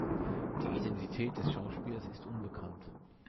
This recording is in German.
Die Identität des Schauspielers ist unbekannt.